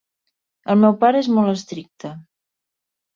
El meu pare és molt estricte.